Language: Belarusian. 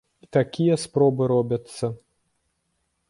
І такія спробы робяцца.